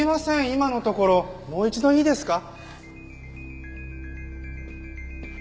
今のところもう一度いいですか？